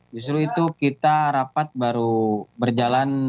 justru itu kita rapat baru berjalan